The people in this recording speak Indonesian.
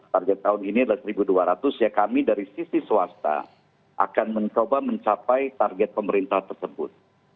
target tahun ini adalah satu dua ratus ya kami dari sisi swasta akan mencoba mencapai target pemerintah tersebut